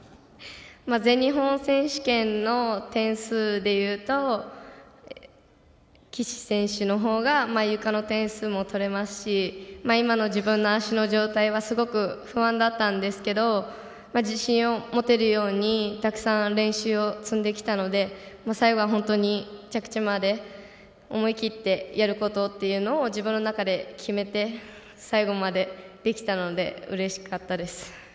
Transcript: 全日本選手権の点数でいうと岸選手の方がゆかの点数も取れますし今の自分の足の状態はすごく不安だったんですけど自信を持てるようにたくさん練習を積んできたので最後は本当に着地まで思い切ってやることを自分の中で決めて最後までできたのでうれしかったです。